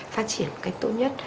phát triển cách tốt nhất